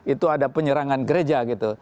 itu ada penyerangan gereja gitu